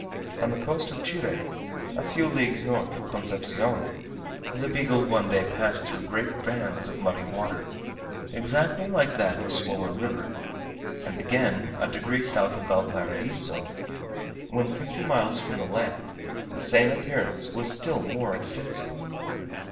On the coast of Chile, a few leagues north of Concepcion, the Beagle one day passed through great bands of muddy water, exactly like that of a swollen river; and again, a degree south of Valparaiso, when fifty miles from the land, the same appearance was still more extensive.